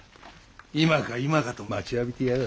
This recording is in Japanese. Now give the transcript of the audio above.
今か今かと待ちわびてやがる。